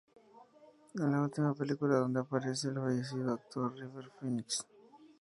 Es la última película donde aparece el fallecido actor River Phoenix.